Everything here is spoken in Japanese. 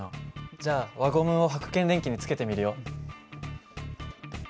じゃあ輪ゴムをはく検電器につけてみるよ。